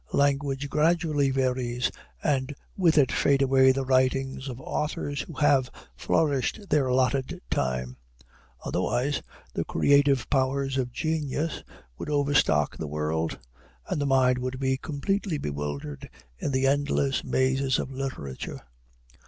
Language gradually varies, and with it fade away the writings of authors who have flourished their allotted time; otherwise, the creative powers of genius would overstock the world, and the mind would be completely bewildered in the endless mazes of literature.